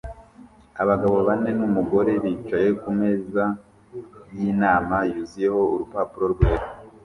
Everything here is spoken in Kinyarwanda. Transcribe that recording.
Abagabo bane numugore bicaye kumeza yinama yuzuyeho urupapuro rwera